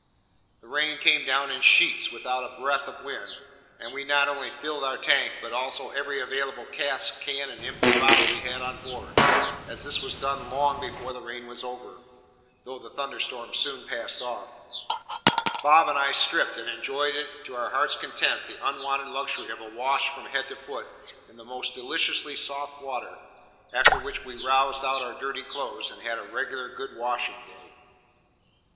The rain came down in sheets, without a breath of wind; and we not only filled our tank, but also every available cask, can, and empty bottle we had on board, and as this was done long before the rain was over (though the thunderstorm soon passed off), Bob and I stripped, and enjoyed to our heart's content the unwonted luxury of a wash from head to foot in the most deliciously soft water, after which we roused out our dirty clothes, and had a regular good washing day.